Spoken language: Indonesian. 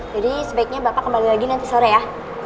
jadi sebaiknya bapak kembali lagi nanti sore ya